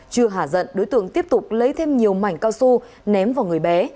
chưa hả dận đối tượng tiếp tục lấy thêm nhiều mảnh cao su ném vào người bé